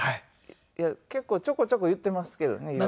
結構ちょこちょこ言っていますけどね色々。